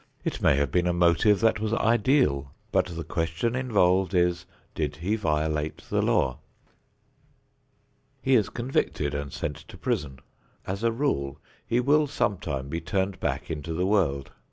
It may have been a motive that was ideal, but the question involved is, did he violate the law? He is convicted and sent to prison. As a rule, he will some time be turned back into the world.